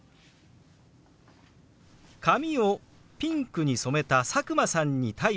髪をピンクに染めた佐久間さんに対してのひと言です。